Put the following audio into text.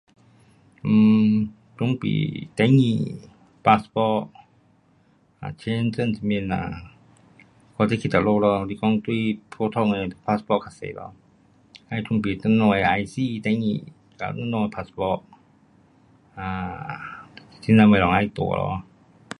um 准备登记 passport，啊签证什么啦，看你去哪里咯，是讲对普通的 passport 较多啦。要准备你们的 IC, 登记跟你们的 passport. um 这呐东西要带咯。